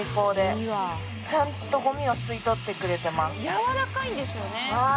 ・やわらかいんですよね